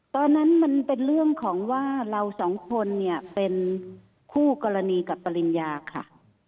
ตอนนั้นมันเป็นเรื่องของว่าเราสองคนเนี่ยเป็นคู่กรณีกับปริญญาค่ะ